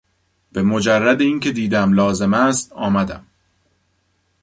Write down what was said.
به مجرد اینکه دیدم لازم است آمدم.